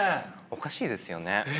おかしいですよね。